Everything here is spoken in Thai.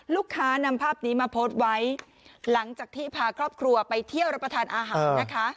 นำภาพนี้มาโพสต์ไว้หลังจากที่พาครอบครัวไปเที่ยวรับประทานอาหารนะคะ